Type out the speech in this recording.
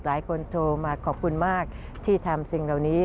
โทรมาขอบคุณมากที่ทำสิ่งเหล่านี้